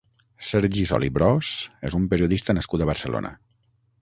Sergi Sol i Bros és un periodista nascut a Barcelona.